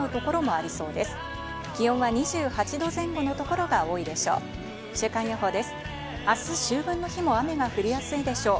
あす秋分の日も雨が降りやすいでしょう。